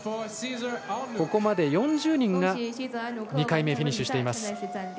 ここまで４０人が２回目、フィニッシュしています。